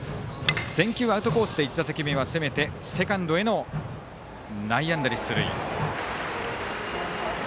全球アウトコースで１打席目は攻めてセカンドへの内野安打で出塁。